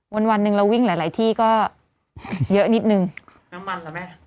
วันวันหนึ่งเราวิ่งหลายที่ก็เยอะนิดนึงน้ำมันเหรอแม่